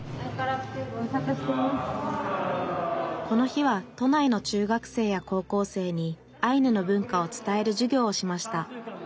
この日は都内の中学生や高校生にアイヌの文化を伝える授業をしました